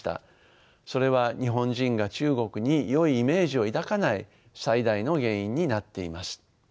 それは日本人が中国によいイメージを抱かない最大の原因になっています。